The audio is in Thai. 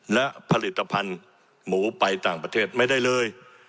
และผลิตภัณฑ์หมูไปต่างประเทศไม่ได้เลย